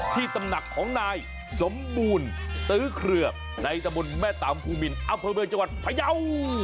ที่ตำหนักของนายสมบูรณ์ตื้อเคลือบในตะบุญแม่ตามภูมินอภเบิกจังหวัดพระเยา